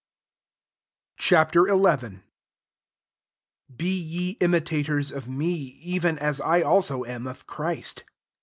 Ch. XI. 1 Be ye imitators of me, even as I also am of Christ.